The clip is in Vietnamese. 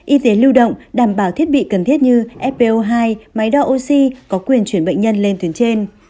y tế lưu động đảm bảo thiết bị cần thiết như fpo hai máy đo oxy có quyền chuyển bệnh nhân lên tuyến trên